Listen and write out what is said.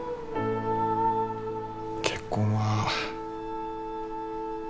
結婚は。